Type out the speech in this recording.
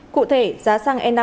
cụ thể giá xăng namc